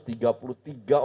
ada unsur pengusaha